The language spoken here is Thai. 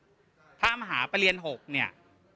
คือโดยสมรสักเนี่ยภาพมหาประเรียน๖เนี่ย